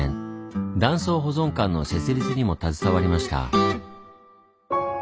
断層保存館の設立にも携わりました。